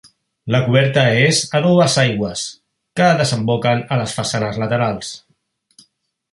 La coberta és a dues aigües, que desemboquen a les façanes laterals.